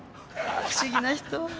不思議な人。